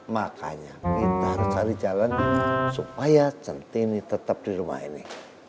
makanya kita harus cari jalan supaya centini tetap di rumah ini